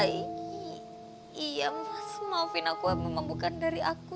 iya mas maafin aku memang bukan dari aku